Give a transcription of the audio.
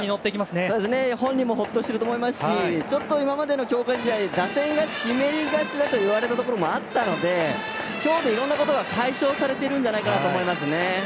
本人もほっとしていると思いますし今までの強化試合打線が湿りがちだといわれたところもあったので今日でいろんなことが解消されていると思いますね。